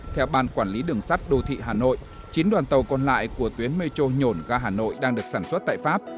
theo ban quản lý đường sắt đô thị hà nội chín đoàn tàu còn lại của tuyến metro nhổn ga hà nội đang được sản xuất tại pháp